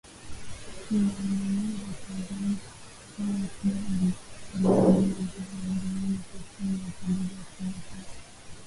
kinyanganyiro cha Urais Kriegler pia alielekeza lawama kwa Tume ya Uchaguzi ya Kenya kwa